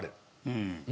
うん。